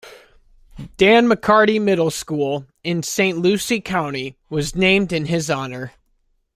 Dan McCarty Middle School, in Saint Lucie County, was named in his honor.